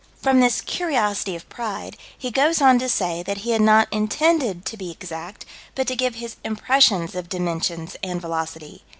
From this curiosity of pride, he goes on to say that he had not intended to be exact, but to give his impressions of dimensions and velocity.